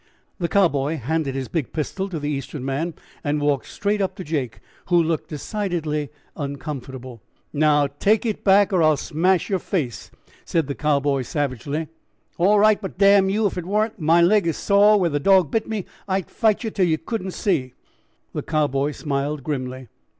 The Cowboy handed his big pistol to the Eastern man and walked straight up to Jake, who looked decidedly uncomfortable. "Now take it back, or I'll smash yer face," said the Cowboy savagely. "All right, but, damn you, if it warn't that my leg is sore where the dog bit me I'd fight yer till I couldn't see!" The Cowboy smiled grimly.